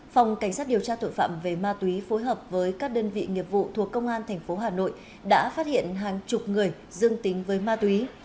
phòng cảnh sát điều tra tội phạm về ma túy phối hợp với các đơn vị nghiệp vụ thuộc công an tp hà nội đã phát hiện hàng chục người dương tính với ma túy